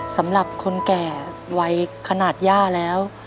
สำหรับคนแก่วัยขนาดย่าแล้ว